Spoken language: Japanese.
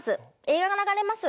映画が流れます。